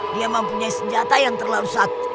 dia mempunyai senjata yang terlalu sakit